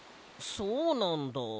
そうなんだ。